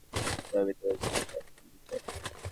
কিন্তু আমি তোমাকে মিথ্যে আশা দিতে চাই না।